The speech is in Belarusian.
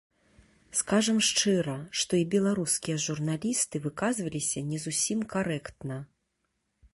Скажам шчыра, што і беларускія журналісты выказваліся не зусім карэктна.